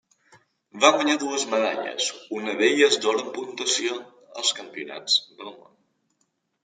Va guanyar dues medalles, una d'elles d'or en puntuació, als Campionats del Món.